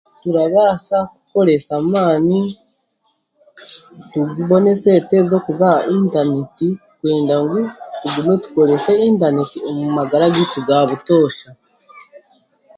Turabaasa kukoresa n'amaani tutunge n'esente z'okuza ahari intaneeti kwenda ngu tugume tukorese intaneeti omu magara gaitu gaabutosha